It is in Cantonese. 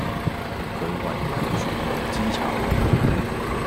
佢為人絕無知醜